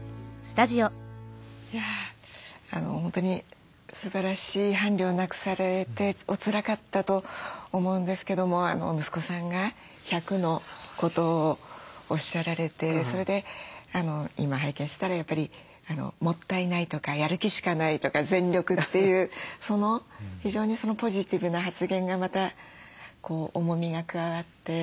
本当にすばらしい伴侶を亡くされておつらかったと思うんですけども息子さんが１００のことをおっしゃられてそれで今拝見してたらやっぱり「もったいない」とか「やる気しかない」とか「全力」っていう非常にポジティブな発言がまたこう重みが加わって。